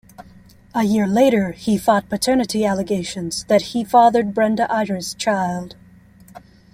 A year later, he fought paternity allegations that he fathered Brenda Ayres' child.